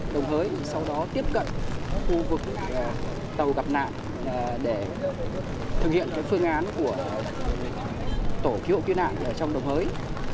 chúng tôi đã thẩn trương triển khai lực lượng và phương tiện bay vào đồng hới sau đó tiếp cận khu vực tàu gặp nạn để thực hiện phương án của tổ cứu hộ cứu nạn trong đồng hới